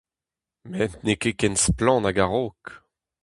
Met n'eo ket ken splann hag a-raok.